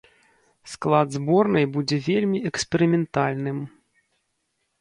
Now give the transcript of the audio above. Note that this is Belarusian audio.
Склад зборнай будзе вельмі эксперыментальным.